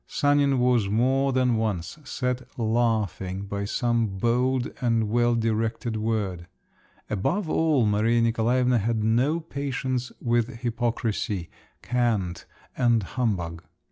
Sanin was more than once set laughing by some bold and well directed word. Above all, Maria Nikolaevna had no patience with hypocrisy, cant, and humbug.